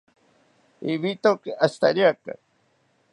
Ibitoki ashitariaka